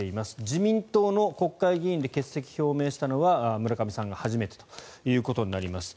自民党の国会議員で欠席を表明したのは村上さんが初めてということになります。